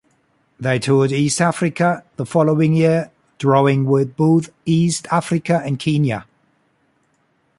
They toured East Africa the following year, drawing with both East Africa and Kenya.